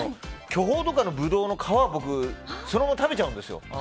巨峰とかのブドウの皮をそのまま食べちゃうんですよ。